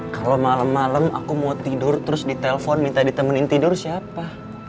kalo malem malem aku mau tidur terus ditelpon minta ditemenin tidur siapa